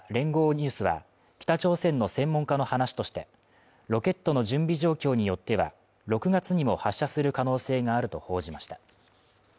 ニュースは北朝鮮の専門家の話として、ロケットの準備状況によっては６月にも発射する可能性があると報じました。